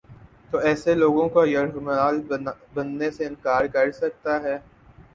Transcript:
تو ایسے لوگوں کا یرغمال بننے سے انکار کر سکتا ہے۔